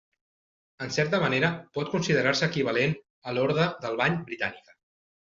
En certa manera pot considerar-se equivalent a l'Orde del Bany britànica.